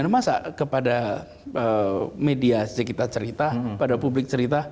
masa kepada media kita cerita kepada publik cerita